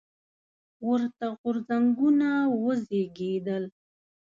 ورته غورځنګونه وزېږېدل.